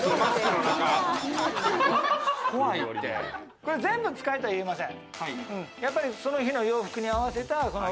これ、全部使えとは言いません。